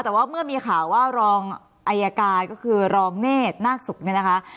แต่ว่าเมื่อมีข่าวว่ารองอายการก็คือรองเนธนาคศุกร์เนี่ยนะคะ